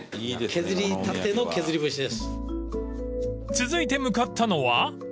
［続いて向かったのは］